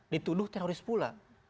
dituduh teroris pula